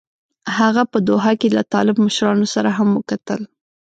هغه په دوحه کې له طالب مشرانو سره هم وکتل.